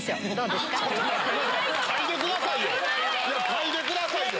嗅いでくださいよ！